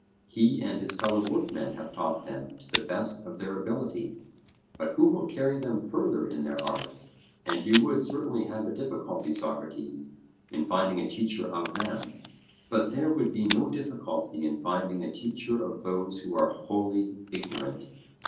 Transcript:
He and his fellow workmen have taught them to the best of their ability, but who will carry them further in their arts? And you would certainly have a difficulty, Socrates, in finding a teacher of them; but there would be no difficulty in finding a teacher of those who are wholly ignorant.